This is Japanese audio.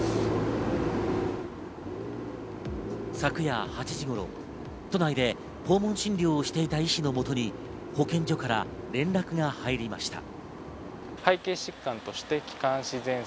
昨夜８時頃、都内で訪問診療をしていた医師のもとに保健所から連絡が入りました。